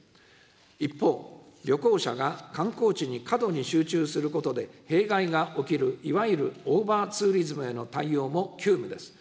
一方、旅行者が観光地に過度に集中することで弊害が起きる、いわゆるオーバーツーリズムへの対応も急務です。